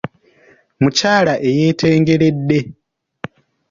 Mukyala eyeetengeredde.